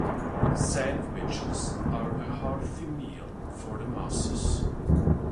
Sandwiches are a hearty meal for the masses.